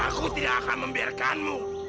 aku tidak akan membiarkanmu